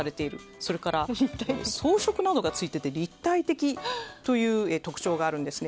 それから、装飾などがついていて立体的という特徴があるんですね。